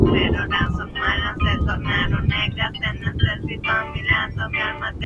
Empezó la temporada como titular, compartiendo carreras con Chris Brown.